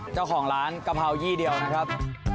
เจ้าของร้านกะเพรายี่เดียวนะครับ